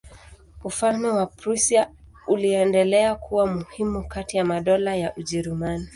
Ufalme wa Prussia uliendelea kuwa muhimu kati ya madola ya Ujerumani.